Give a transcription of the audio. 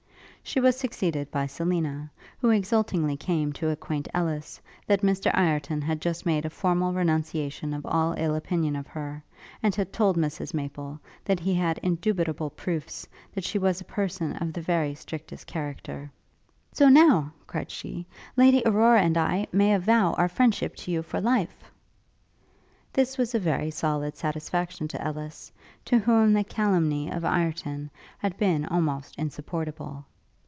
She was succeeded by Selina, who exultingly came to acquaint Ellis, that Mr Ireton had just made a formal renunciation of all ill opinion of her; and had told Mrs Maple, that he had indubitable proofs that she was a person of the very strictest character. 'So now,' cried she, 'Lady Aurora and I may vow our friendship to you for life.' This was a very solid satisfaction to Ellis, to whom the calumny of Ireton had been almost insupportable.